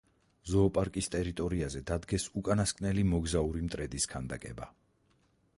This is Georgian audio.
ზოოპარკის ტერიტორიაზე დადგეს უკანასკნელი მოგზაური მტრედის ქანდაკება.